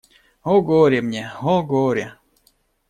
О, горе мне… о, горе!